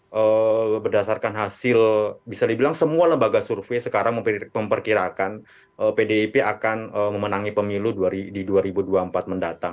karena berdasarkan hasil bisa dibilang semua lembaga survei sekarang memperkirakan pdip akan memenangi pemilu di dua ribu dua puluh empat mendatang